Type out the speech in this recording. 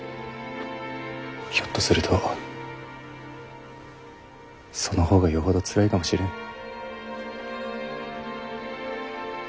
ひょっとするとその方がよほどつらいかもしれぬ。